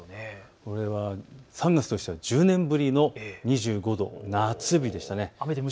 これは３月としては１０年ぶりの２５度、夏日でした。